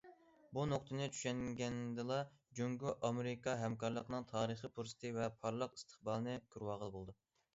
بۇ نۇقتىنى چۈشەنگەندىلا، جۇڭگو ئامېرىكا ھەمكارلىقىنىڭ تارىخى پۇرسىتى ۋە پارلاق ئىستىقبالىنى كۆرۈۋالغىلى بولىدۇ.